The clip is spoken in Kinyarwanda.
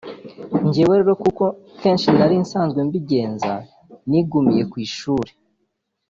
Jyewe rero nk’uko akenshi nari nsanzwe mbigenza nigumiye ku ishuli